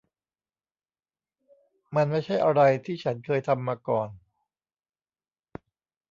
มันไม่ใช่อะไรที่ฉันเคยทำมาก่อน